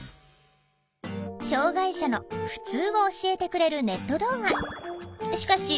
障害者の「ふつう」を教えてくれるネット動画。